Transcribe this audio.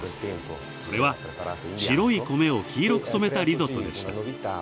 それは白い米を黄色く染めたリゾットでした。